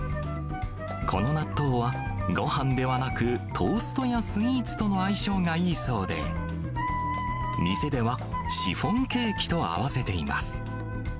この納豆は、ごはんではなく、トーストやスイーツとの相性がいいそうで、店ではシフォンケーキと合わせています。